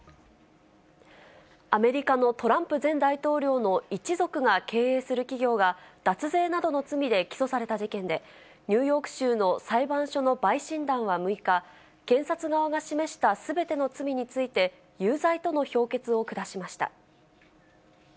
アメリカのトランプ前大統領の一族が経営する企業が、脱税などの罪で起訴された事件で、ニューヨーク州の裁判所の陪審団は６日、検察側が示したすべての罪について有罪との評決を下しました。